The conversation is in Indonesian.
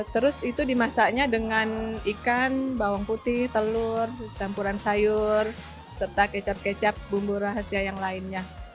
terus itu dimasaknya dengan ikan bawang putih telur campuran sayur serta kecap kecap bumbu rahasia yang lainnya